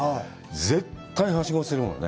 絶対、はしごするもんね。